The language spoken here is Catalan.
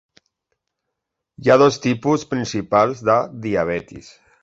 Hi ha dos tipus principals de diabetis.